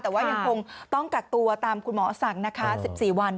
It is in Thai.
แต่ว่ายังคงต้องกักตัวตามคุณหมอสั่งนะคะ๑๔วัน